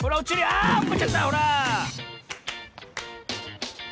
あおっこっちゃったほら！